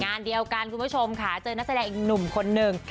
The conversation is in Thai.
งานเดียวกันคุณผู้ชมค่ะเจอนักแสดงอีกหนุ่มคนหนึ่ง